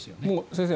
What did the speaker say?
先生